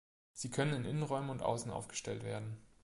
Sie können in Innenräumen und außen aufgestellt werden.